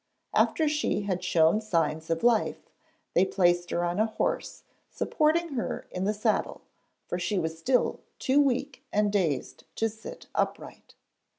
After she had shown signs of life they placed her on a horse, supporting her in the saddle, for she was still too weak and dazed to sit upright.